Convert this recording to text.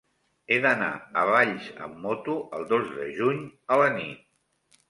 He d'anar a Valls amb moto el dos de juny a la nit.